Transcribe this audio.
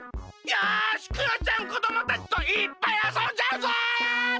よしクヨちゃんこどもたちといっぱいあそんじゃうぞ！